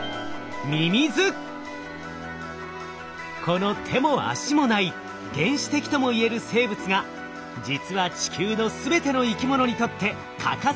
この手も足もない原始的ともいえる生物が実は地球の全ての生き物にとって欠かせない存在。